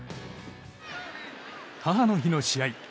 母の日の試合。